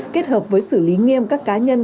kết hợp với xử lý nghiêm các cá nhân